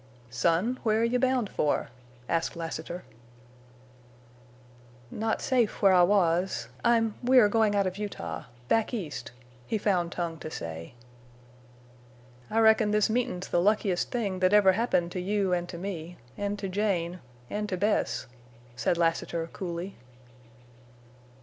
"Son, where are you bound for?" asked Lassiter. "Not safe—where I was. I'm—we're going out of Utah—back East," he found tongue to say. "I reckon this meetin's the luckiest thing that ever happened to you an' to me—an' to Jane—an' to Bess," said Lassiter, coolly.